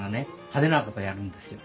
派手なことをやるんですよ。